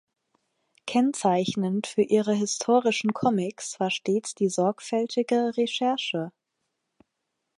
Kennzeichnend für ihre historischen Comics war stets die sorgfältige Recherche.